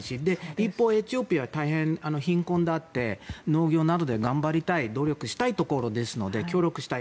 一方、エチオピアは大変貧困があって農業などで頑張りたい努力したいところですので協力したい。